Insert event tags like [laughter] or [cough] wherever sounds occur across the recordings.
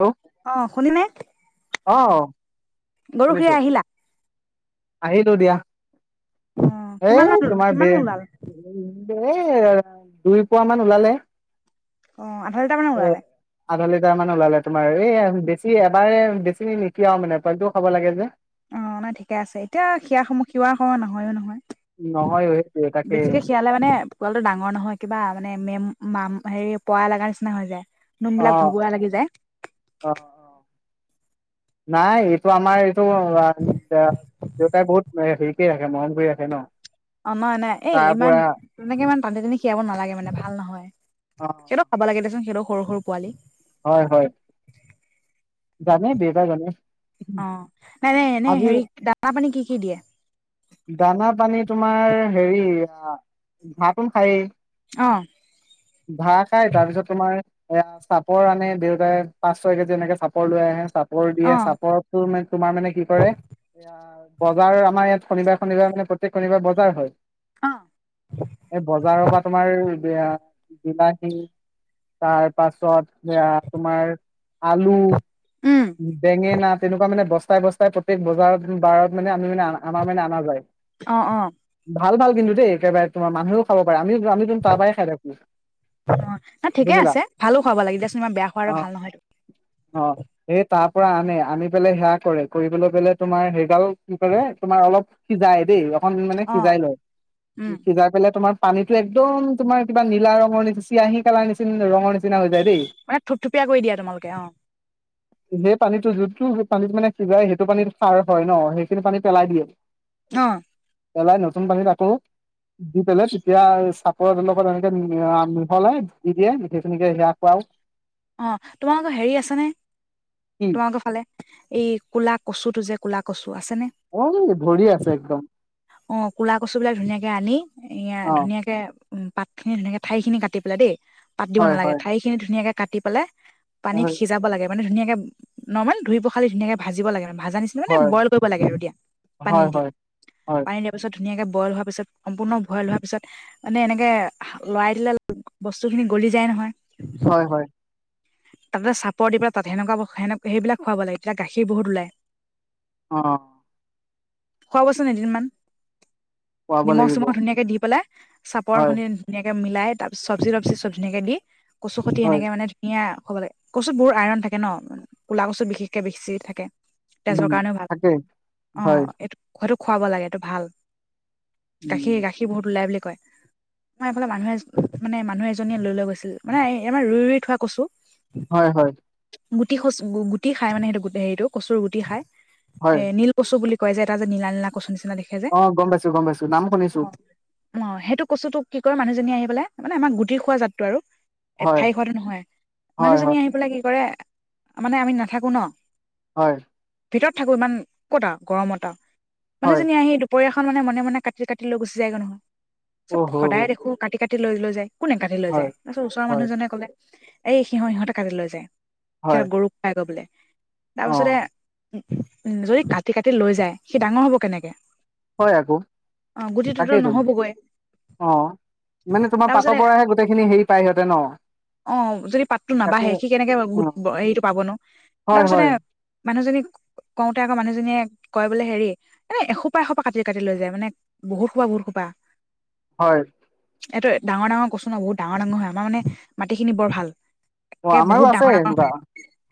Hello অ শুনিলে? অ গৰু খিৰা আহিলা। আহিলোঁ দিয়া। অ কিমান মান এ তোমাৰ কিমান বিৰ। ওলাল দুই পুৱা মান ওলালে। অ আধা লিটাৰ মানে এ ওলালে। আধা লিটাৰ মান ওলালে। তোমাৰ, এই বেছি এবাৰে বেছি নি নিখিয়াও মানে পোৱালিটো। হ'ব লাগে যে। অ নাই ঠিকে আছে, এতিয়া সিয়া সমূহ খিয়াৱা হ নহয়ো নহয়। নহয় অ সেইটোৱে তাকে বেছিকে খিয়ালে মানে পোৱালটো ডাঙৰ নহয়। কিবা মানে মেম। মাম হেৰি পয়ালগা নিচিনা হৈ যায়। অ নোমবিলাক ভোবোৱা লাগি যায়। অ অ নাই এইটো আমাৰ এইটো দেউতাই বহুত হেৰি কৰি ৰাখে মৰম কৰি ৰাখে ন। অ নাই, এই তাৰ ইমান পৰা তেনেকে ইমান টানি টানি খিয়াব নালাগে মানে ভাল নহয়। অ সিহঁতক খাব লাগে দেচোন সিহঁতক। সৰু পোৱালি। হয় হয় জানে দিওঁতা জানে। অ নাই-নাই এনে আজি হেৰি, দানা পানী কি-কি দিয়ে? দানা পানী তোমাৰ হেৰি ভাতোন খায়েই, অ ঘা খাই, তাৰপিছত তোমাৰ। [unintelligible] চাপৰ আনে দেউতাই পাঁচ-ছয় কেজি এনেকে চাপৰ লৈ আহে, চাপ চাপৰ দিয়ে, অ চাপৰ তোৰ মা তোমাৰ মানে কি কৰে, এ বজাৰ আমাৰ ইয়াত শনিবাৰ-শনিবাৰে মানে প্ৰত্যয়েক শনিবাৰ বজাৰ হয়। অ এই বজাৰৰ পৰা তোমাৰ বিয়া বিলাহী, তাৰ পাছত সেয়া তোমাৰ আলু উম বেঙেনা তেনেকুৱা মানে বস্তাই বস্তাইপ্ৰত্যেক বজাৰত বাৰত মানে আমি মানে আমাৰ অনা যায়। অ-অ। ভাল ভাল কিন্তু দেই একেবাৰে তোমাৰ মানুহও খাব পাৰে, আমি আমিতো তাৰ পৰাই খাই থাকো অ, নাই ঠিকেই বুজিলা আছে। ভালো খুৱাব লাগে দিয়াচোনমা বেয়া খোৱা আৰু অ ভাল নহয়তটো। অ সেই তাৰ পৰা আনে, আনি পেলাই সেৱা কৰে, কৰিবলৈ পেললে তোমাৰ সেইগাল কি কৰে তোমাৰ অলপ সি যাই দেই, ৰ মন মানে অঁ সিজাই লয। উম সিজাই পেলাই তোমাৰ পানীতো একদম তোমাৰ কিবা নীলা ৰঙৰ নিচি, চিয়াহী কালাৰ নিচিনা ৰঙৰ নিচিনা হৈছে মানে থুপথুপিয়ীকৰি দিয়া তোমালোকে? অ। খোবে পানীতটো যোনটো সেই পানীতটো মানে সিজাই সেইটো পানীত সাৰ হয় ন সেইখিনি পানী পেলাই দিয়ে। অ পেলাই নতুন পানীত আকৌ দি পেলাই তেতিয়া চাপৰ লগত এনেকে মিহলাই দি দিয়ে মুঠে ইখিনিকে সেয়া কৰেৱাও অ তোমাৰোক হেৰি আছে নে? কি তোমালোকে ফালে, এই ক'লা কচু টো যে কলা কচু আছে নে? অ ধৰি আছে একদম। অ ক'লা কচু বিলাক ধুনীয়াকে আনি ইয়া অ ধুনীয়াকে পাত খিনি ধুনীয়াকে, ঠাৰি খিনি কাটি পেলাই দেই। পাত দিব হয় নালাগে, হয় ঠাই খিনি ধুনীয়াকে কাটি পেলাই পানীত হয় সিজাব লাগে। মানে ধুনীয়াকে নমেল ধুই পখালি ধুনীয়াকে ভাজিব লাগে। ভাজা নিচিনা মানে হয় ব্ৰইল কৰিব লাগে আৰু দিয়া হয় পানী হয় দি, হয় পানী দিয়া পিছত ধুনীয়াকে ব্ৰইল হোৱাৰ পিছত সম্পূৰ্ণ ব্ৰইল হোৱাৰ পিছত মানে এনেকে লৰাই দিলে বস্তু খিনি গলি যায় নহয়। হয় হয়। তাতে চাপৰ দি পেলাই তাত সেনেকুৱা সে সেইবিলাক খুৱাব লাগে তেতিয়া গাখীৰ বহুত ওলাই অ খোৱাবচোন এদিনমান। খুৱাব নিমখ লাগিব চিমখ ধুনীয়াকে দি পেলাই চাপৰ হয় খুনি ধুনীয়াকে মিল উলাই পিছ চব্জি-তব্জি চব ধুনীয়াকে দি কচু কুটি হয় এনেকে মানে সেয়া হ'ব লাগে, কচুত বহু আইৰন থাকে ন ক'লা কচুত বিশেষকে বেছি থাকে। তেজৰ উম কাৰণেও ভাল, থাকে অ হয় এইটো হয়টো খোৱাব লাগে এইটো ভাল। উম গাখীৰ, গাখীৰ বহুত ওলাই বুলি আমাৰ এইফালে মানুহ এ মানে মানুহ এজনীয়ে লৈ লৈ গৈছিল মানে আমাৰ ৰুই ৰুই থোৱা কচু হয় হয়। গুটি-খুচ-গুটি খাই মানে সেইটো হে-হেৰিটো কচুৰ গুটি খাই। এ হয় নীল কচু বুলি কয় যে এটা যে নীলা নীলা কচু নিচিনা অ গম পাইছো গম পাইছো নাম শুনিছো অ সেইটো কচুতোক কি কয় মানুহজনীয়ে আহি লে মানে আমাৰ গুটি খোৱা জাতটো আৰু এ হয় ঠাৰি খোৱাটো নহয় হয় মানুহজনী হয় আহি পেলাই কি কৰে মানে আমি নাথাকো ন হয়। ভিতৰত থাকো ইমান ক'ত গৰম আৰু হয় মানুহজনীয়ে আহি দুপৰীয়া মানে মনে-মনে কাটি-কাটি লৈ গুচি যায়গৈ নহয় অহ চব সদায় দেখো কাটি কাটি লৈ লৈ যায় কোনে কাটি লৈ হয় যায়? তাৰপিছত ওচৰ হয় মানুহজনে কলে এই সিহঁ-সিহঁতে কাটি লৈ যায়। হয় সেই গৰুক খাই গৈ বোলে। অ তাৰপিছতে যদি কাটি কাটি লৈ যায় সি ডাঙৰ হ'ব কেনেকে হয় আকৌ অ' গুটিটোতো তাকেইতো নহ'বগৈ অ মানে তোমাৰ তাৰপিছতে পাটৰ পৰাহে গোটেইখিনি হেৰি পায় সিহঁতে ন অ' যদি পাতটো তাতে নাবাঢ়ে সি কেনেকে অ গোট হেৰিতটো পাব ন তাৰ হয় পিছতে হয় মানুহজনী কওঁতে আকৌ মানুহজনীয়ে কয় বোলে হেৰি এনে এসোপা এসোপা কাটি কাটি লৈ যায় মানে বহুত সোপা বহুত সোপা হয় এইটো ডাঙ ডাঙ কছু ন বহুত ডাঙৰ ডাঙৰ হয় আমাৰ মানে মাটি খিনি বৰ ভাল অ একে আমাৰো বহুত আছে ডাঙৰ ডাঙৰ এনেকুৱা হয়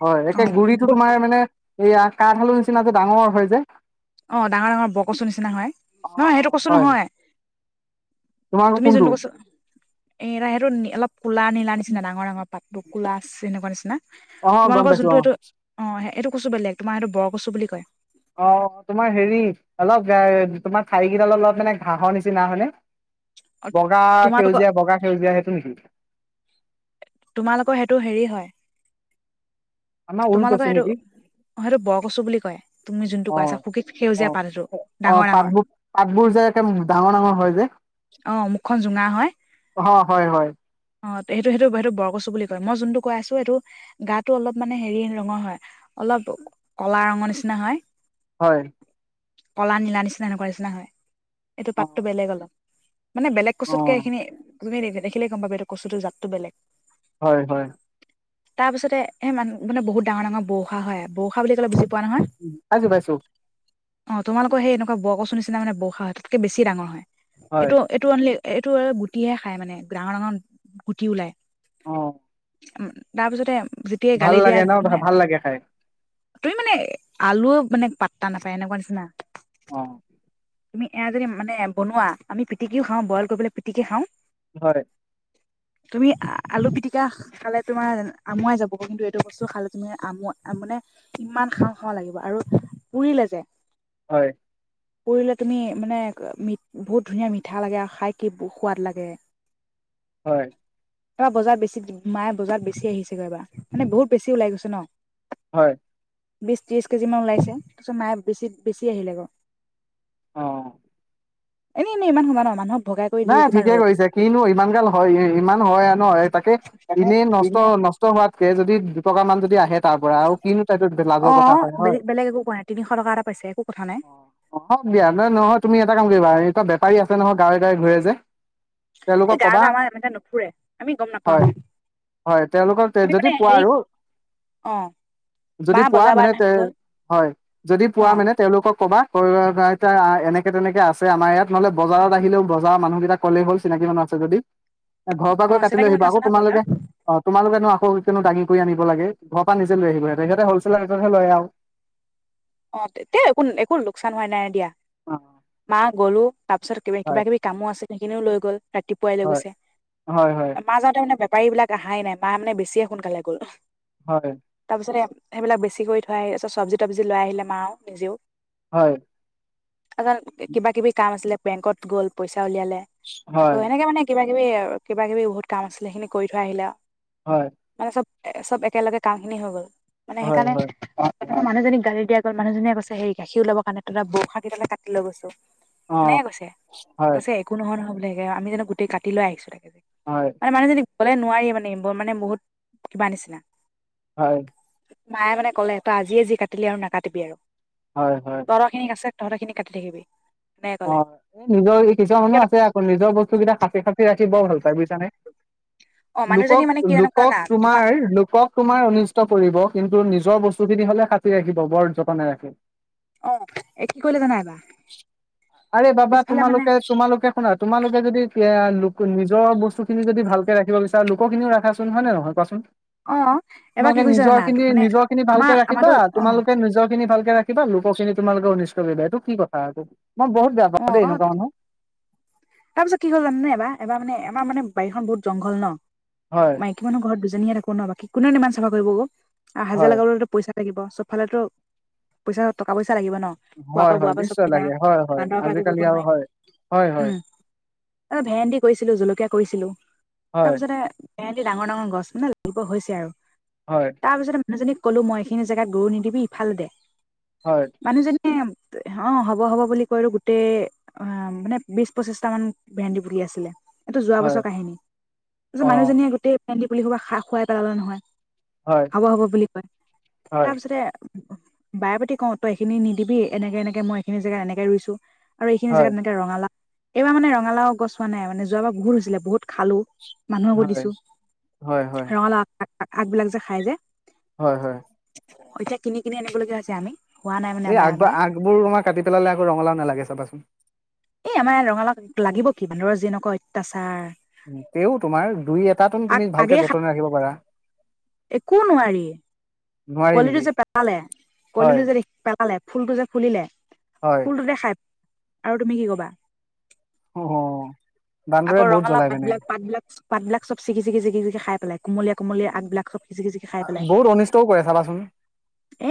হয় অ একে গুৰিটো বহুত তোমাৰ মানে এইয়া কাঠ আলুৰ নিচিনা যে ডাঙৰ হয় যে অ ডাঙৰ ডাঙৰ বৰকচু নিচিনা হয়, অ অ নহয় সেইটো কছো হয় নহয়, তোমালোকৰ তুমি কোনটো যোনটো কচু এ সেইটো অলপ কলা নীলা নিচিনা ডাঙৰ ডাঙৰ পাত টুকুলাছ সেনেকুৱা নিচিনা অ গম তোমালোকৰ পাইছো অ যোনটো এইটো অ এইটো কচু বেলেগ তোমাৰ সেইতো বৰ কচু বুলি কয়। অ তোমাৰ হেৰি অলপ তোমাৰ ঠাৰি কেইডাল অলপ মানে ঘাঁহৰ নিচিনা হয়নে বগা তোমালোকৰ সেউজীয়া বগা সেউজীয়া সেইটো নেকি তোমালোকৰ সেইটো হেৰি হয়। আমাৰ তোমালোকৰ ঊলকচু হয় সেইটো নেকি, অ সেইটো বৰকচু বুলি কয় তুমি যোনটো অ কৈছা শুকুত সেউজীয়া পাত সেইটো আহ ডাঙৰ আহ ডাঙৰ পাতবোৰ পাতবোৰ যে একে ডাঙৰ ডাঙৰ হয় যে। আহ মুখখন জোঙা হয়। অ হয় হয় অ সেইটো সেইটো সেইটো বৰকচু বুলি কয় মই যোনটো কৈ আছো সেইটো গাটো অলপ মানে হেৰি ৰঙৰ হয় অলপ কলা ৰঙৰ নিচিনা হয় হয় কলা নীলা নিচিনা এেনেকুৱা নিচিনা হয় এইটো অ পাতটো বেলেগ অলপ মানে বেলেগ অ কচুতকে এইখিনি তুমি দেখিলে গম পাবি এই কচুটো জাততো বেলেগ হয় হয় তাৰপিছতে সেই মান মানে বহুত ডাঙৰ ডাঙৰ বৰষা হয় বৰষা বুলি কলে। পোৱা নহয় পা‌ইছো পাইছো অ তোমালোকৰ সেই এনেকুৱা বৰ কচু নিচিনা মানে বসা হয় তাতকে বেছি ডাঙৰ হয় হয় এইটো এইটো অনলি এইটো গুটিহে খাই মানে ডাঙৰ ডাঙৰ গুটি ওলায়। অঁ তাৰপিছতে যেতিয়াই গালি দিয়া ন মানে ভাল লাগে খাই তুমি মানে আলুও মানে পাত টান নাপায় এনেকুৱা নিছিনা। অ তুমি এয়া যদি মানে বনোৱা। আমি পিটিকিও খাওঁ বইল কৰিব লৈ পিটিকে খাওঁ। হয়। তুমি আলু পিটিকা খালে তোমাৰ আমুৱাই যাবগ কিন্তু এইটো বস্তু খালে তুমি আম মানে ইমান খাওঁ খাওঁ লাগিব আৰু পুৰিলে যে। হয়। কৰিলে তুমি মানে ম বহুত। ধুনীয়া মিঠা লাগে আৰু খাই কি সোৱাদ লাগে। হয়। এবাৰ বজাৰ বেছি মায়ে বজাৰ বেছি আহিছেগৈ এবাৰ মানে বহুত বেছি ওলাই গৈছে ন। হয়। বিশ ত্ৰিশ কেজিমান ওলাইছে তাৰপিছত মায়ে বেছি, বেছি আহিলে গৈ। অঁ এনে এনেই ইমান সোপা ন মানুহ নাই ঠিকে কৰিছে কিনো ইমান গাল হয় ইমান হয় ন হয়। তাকে তাকে এনে নষ্ট দিনে নষ্ট হোৱাতকে যদি দুটকা মান যদি আহে তাৰ পৰা আৰু কিনো তাইত অ লাজৰ কথা হয় হয় বেলেগ বেলেগ একো কোৱা নাই তিনিশ টকা এটা পাইছে একো কথা নাই আহক বিয়া নহয় নহয় তুমি এটা কাম কৰিবা এ। [unintelligible] আছে ন'হ গাৰ গাই ঘূৰে যে এই তেওঁলোকক গা কবা, গা আমাৰ এ নুফুৰে আমি গম নাপাও হয় হয়। তেওঁলোকক তে আমি যদি মানে পোৱা হেৰি আৰু, অ মা যদি পোৱা বজাৰ বাৰ মানে দিনা তে, গ'ল হয়। যদি অ পোৱা মানে তেওঁলোকক ক'বা। [unintelligible] এনেকে-তেনেকে আছে আমাৰ ইয়াত, নহ'লে বজাৰত আহিলেও। বজাৰৰ মানুহকেইটাক ক'লে হ'ল চিনাকি মানুহ আছে যদি। ঘৰৰ পৰা অ গৈ কাটি লৈ চিনাকি আহিবা। মানুহ আকৌ আছে নহয় বজাৰ তোমালোকে, অ' তোমালোকেনো আকৌ [unintelligible] দাঙি কৰি আনিব লাগে। ঘৰৰ পৰা নিজে লৈ আহিব লাগে সিহঁতে হলচেলৰ ৰেটতহে লয় আৰু। অ' তেতিয়া একো-একো লোকচান হোৱা নাই দিয়া। অ মা গ'লো। তাৰ পিছত কিবা হয় কিবাকিবি কামো আছিল সেইখিনিও লৈ গ'ল। ৰাতিপুৱাই লৈ হয় গৈছে। হয় হয় মা যাওঁতে মানে। গাড়ীবিলাক আহাই নাই। মা মানে বেছিয়ে সোনকালে গ'ল। হয়। তাপিছতে, সেইবিলাক বেছি কৰি থৈ আহিছে, পিছত চব্জি-তবজি লৈ আহিলে মাও, নিজেও। হয়। কিবাকিবি কাম আছিলে বেংকত গ'ল পইচা। উলিয়ালে, আকৌ হয় এনেকে মানে কিবা। [unintelligible] আৰু কিবাকিবি বহুত কাম আছিলে সেইখিনি কৰি থৈ আহিলে আৰু। হয় মানে চব। চব একেলগে কামখিনি হৈ গ'ল। মানে হয় সেইকাৰণে হয় মানুহজনীক গালি দিয়া গৈ, মানুহজনীয়ে কৈছে সেই গাখীৰ ওলাব কাৰনে তেতিয়া বোৰখাকেইদালে কাটি লৈ গৈছে অ এনেকে কৈছে। হয় কৈছে একো নহয় নহ'ব [unintelligible] আমি জানো গোটেই কাটি লৈ আহিছো তাক হয় আৰু মানুহজনীক ক'লে নোৱাৰিয়ে মানে, ‌ মানে বহুত কিবা নিচিনা হয়। মায়ে মানে ক'লে, তই আজিয়ে যি কাটিলি আৰু নাকাটিবি আৰু। হয় হয় তৰ' খিনিক আছে তহঁতৰ খিনি কাটি থাকিবি। এনেকে ক'লে অ' নিজৰ, এই কিছুমান মানুহ কিয় আছে আকৌ, নিজৰ বস্তুকেইটা সাঁচি-সাঁচি ৰাখি বৰ ভাল পায় বুইছানে? অ মানুহজনী মানে কি জানা লোকক-লোকক জানা তোমাৰ লোকক তোমাৰ কৰিব, কিন্তু নিজৰ বস্তুখিনি হ'লে সাঁচি ৰাখিব, বৰ যতনে ৰাখি অ এ কি কৰিলে জানা এইবাৰ আৰে বাবা তোমালোকে তোমালোকে শুনা, তোমালোকে যদি এ। নিজৰ বস্তুখিনি যদি ভালকে ৰাখিব বিচাৰে লোকৰ খিনিও ৰাখাচোন হয় নে নহয় কোৱাচোন? অ এবাৰ কি তোমালোকে কৰিছে নিজৰ জানা খিনি মানে নিজৰ খিনি আমাৰ ভালকে ৰাখিবা, আমাৰতো অ তোমালোকে নিজৰ খিনি ভালকে। ৰাখিবা লোক খিনি তোমালোকে অনিষ্ট কৰিবা এইটো কি কথাটো। মই বহুত বেয়া অ পাওঁ দেই এনেকুৱা মানুহ। তাৰপিছত কি হ'ল জানা নে এবাৰ এব মানে আমাৰ মানে বাৰীখন বহুত জংঘল ন। হয় মাইকী মানুহ ঘৰত। আমি হে থাকো ন বাকী কোনে ইমান চাফা কৰিব ক। হাজিয়া হয় লগাবলে তো পইচা। চব ফালে তো পইচা টকা পইচা লাগিব। ন খোৱাৰ পৰা হয় হয়, বোৱাৰ পৰা চব নিশ্চয় কিনা লাগে হয় হয় বান্দৰৰ পৰা আজিকালি আৰু হয় হয় হয়। অ, ভেন্দি কৰিছিলো জলকীয়া কৰিছিলো। হয় তাৰপিছত। ভেণ্ডি ডাঙৰ ডাঙৰ গছ মানে লাগিব হৈছে আৰু। হয় তাৰপিছত। মানুহজনীক কলো মই এইখিনি জেগাত গৰু নিদিবি ইফালে দে। হয়। এ, অ হ'ব হ'ব বুলি কৈলো গোটেই অ মানে বিশ পচিশ। টামান ভেন্দি পুলি আছিলে [unintelligible] এইটো যোৱা হয় বছৰ কাহিনী, তাৰপিছত অ মানুহজনীয়ে গোটেই। ভেণ্ডি পুলি সোপা খুৱাই পেলালে নহয়। হয় হ'ব-হ'ব বুলি কয়। হয় তাৰপিছতে, বাৰ পাতি কও, তই এইখিনি নিদিবি এনেকে-এনেকে মই এইখিনি জেগাত এনেকে ৰুইছো। আৰু এইখিনি হয় জেগাত এনেকে ৰঙালা। এইবাৰ মানে ৰঙালাও গছ হোৱা নাই, মানে যোৱাবাৰ বহুত হৈছিলে বহুত খালো। মানুহেকো হয় দিছো হয় হয় ৰঙালাও। আগবিলাক যে' খাই যে, হয়-হয়, এতিয়া কিনি-কিনি আনিব লগগীয়া হৈছে আমি। হোৱা নাই মানে এই আমাৰ আগব এবাৰ আগবোৰ আমাৰ কাটি পেলালে, আকৌ ৰঙালাও নালাগে চাবাচোন। এ আমাৰ ৰঙালও লাগিব কি বান্দৰৰ যেনেকুৱা অত্যাচাৰ। তেও তোমাৰ দুই এটাটোন তুমি আগে ভালকে যতন ৰাখিব পাৰা। নোৱাৰি কোৱলিটো নেকি? যে পেলালে হয় কলিটো যে পেলালে ফুলটো যে, ফুলিলে হয় ফুলটোযে খাই, আৰু তুমি কি কবা? অ' আকৌ বান্দৰে বহুত ৰঙালাও জ্বলাই মানে পাতবিলাক-পাতবিলাক, পাতবিলাক চব ছিঙি-ছিঙি, ছিঙি - ছিঙি খাই পেলায়। কোমলীয়া-কোমলীয়া আগবিলাক চব ছিঙি-ছিঙি খাই পেলাই। বহুত অনিষ্টও কৰে চাবাচোন।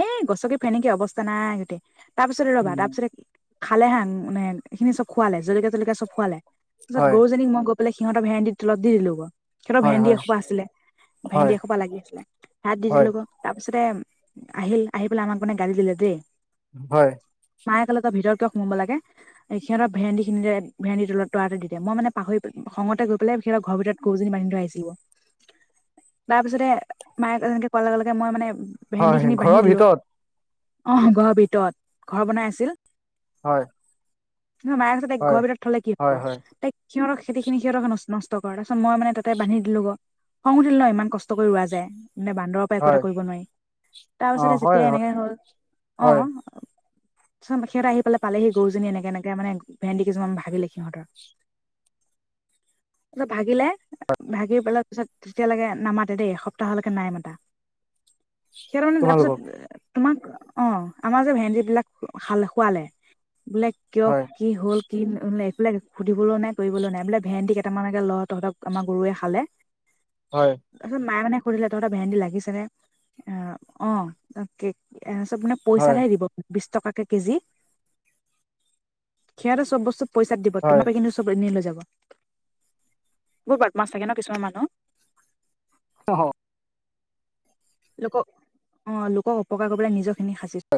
এ গছকি ফেনেকি অৱস্থা নাই গোটেই। তাৰপিছত ৰ'বা, উম, তাৰপিছতে খালে হা মানে এইখিনি চব খুৱালে জলকীয়া-জলকীয়া চব খুৱালে। তাৰপিছত হয় গৰুজনীক মই, গ বোলে সিহঁতৰ ভেন্দি তলত দি দিলো গৈ। সিহঁতৰ হয় ভেন্দি হয় এসোপা আছিলে হয় ভেন্দি এসোপা লাগি আছিলে তাত দি হয় দিলোঁ আক তাত। তাৰ পিছতে আহিল আহি, পেলাই আমাক মানে গালী দিলে দেই। হয় মায়ে ক'লে তই ভিতৰত কিয় সোমাব লাগে এ সিহঁতৰ ভেন্দি খিনিতে ভেন্দি ত তলতে দি দে, মই মানে পাহৰি খঙতে গৈ পেলাই সিহঁতৰ ঘৰ ভিতৰত গৰুজনী বান্ধি থৰা আহিছিলো। তাৰ পিছতে মায়ে যেনেকে কোৱাৰ লগে লগে মই মানে, হয়, ঘৰৰ ভিতৰত আহ, ঘৰৰ ভিতৰত ঘৰ বনাই আছিল। হয়, নহয় মায়ে কৈছে তাইক ঘৰ হয় ভিতৰত থলে কি হয় হয় হ'ব, তাইক সিহঁতক খেতিখিনি সিহঁতক নষ্ট কৰ তাৰপিছ মই মানে তাতে বান্ধি দিলো গ খং উঠিলে ন, ইমান কষ্ট কৰি ৰোৱা যায়। মানে বান্দৰৰ পৰা একো এটা হয় কৰিব নোৱাৰি। তাৰ অ' পাছতে হয় যেতিয়াই হয় এনেকে হ'ল, হয় আহ, চা না খেদাই আহি পেলাই পালেহি গৰুজনী এনেকে এনেকে মানে ভেন্দি কিছুমান ভাগিলে সিহঁতৰ তত ভাগিলে ভাগি পেলাই পিছত তেতিয়ালৈকে নামাতে দেই এসপ্তাহলৈকে নাই মতা। সিহঁতে মানে তোমালোকক তাৰপিছত তোমাক অ আমাৰ যে ভেন্দি বিলাক খাল খুৱালে। বোলে কিয় হয় কি হ'ল। কি এইবিলাক সুধিবলৈ নাই কৰিবলৈ নাই বোলে ভেন্দী কেইটামানকে ল তহঁতক আমাৰ গৰুৱে খালে। হয় তাৰপিছত মায়ে মানে সুধিলে তহতৰ ভেন্দি লাগিছে নে? অ তাকে। তাৰ পিছত মানে হয় পইচাতহে দিব বিছ টকাকে কেজি সিহঁতে চব বস্তু পইচাত দিব হয় তোমাৰ পৰা কিন্তু চব এনেই লৈ যাব। বহুত বদমাচ থাকে ন কিছুমান মানুহ। অ। লোকক অ লোকক অপকাৰ কৰিব নিজক। এনে সাজিলোঁ